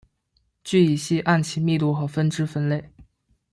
聚乙烯按其密度和分支分类。